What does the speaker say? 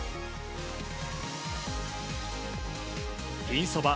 ピンそば